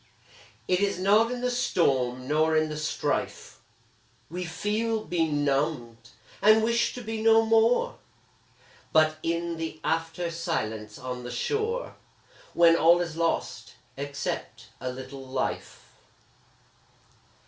It is not in the storm nor in the strife We feel benumbed, and wish to be no more, But in the after silence on the shore, When all is lost, except a little life.